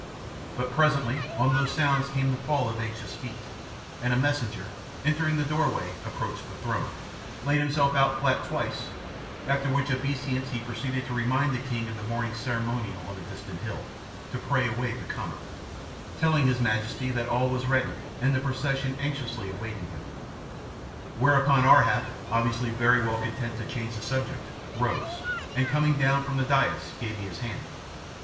But presently on those sounds came the fall of anxious feet, and a messenger, entering the doorway, approached the throne, laid himself out flat twice, after which obeisance he proceeded to remind the king of the morning's ceremonial on a distant hill to "pray away the comet," telling his majesty that all was ready and the procession anxiously awaiting him. Whereon Ar hap, obviously very well content to change the subject, rose, and, coming down from the dais, gave me his hand.